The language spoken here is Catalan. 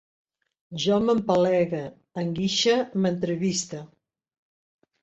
Jo m'empelegue, enguixe, m'entreviste